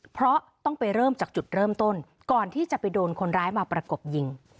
เพราะต้องไปเริ่มจากจุดเริ่มต้นก่อนที่จะไปโดนคนร้ายมาประกบยิง